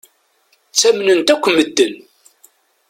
Ttamnen-t akk medden.